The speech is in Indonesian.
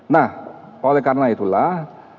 nah oleh karena itulah